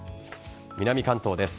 南関東です。